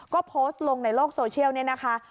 ก็โพสต์ลงในโลกโซเชียลเนี่ยนะคะ